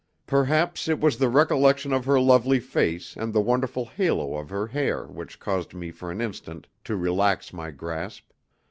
Perhaps it was the recollection of her lovely face and the wonderful halo of her hair which caused me for an instant to relax my grasp.